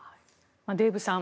デーブさん